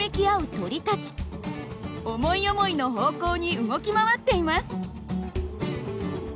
思い思いの方向に動き回っています。